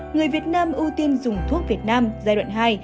người việt nam ưu tiên dùng thuốc việt nam giai đoạn hai